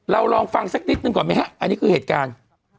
ลองฟังสักนิดหนึ่งก่อนไหมฮะอันนี้คือเหตุการณ์